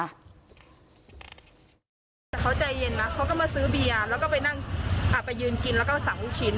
แต่เขาใจเย็นเขาก็มาซื้อเบียร์